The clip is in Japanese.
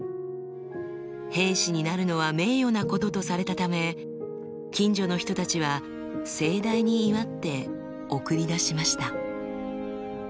兵士になるのは名誉なこととされたため近所の人たちは盛大に祝って送り出しました。